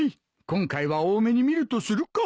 今回は大目に見るとするか。